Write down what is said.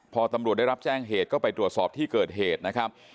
พอตำรวจได้รับแจ้งเหตุก็ไปตรวจสอบที่เกิดเหตุนะครับ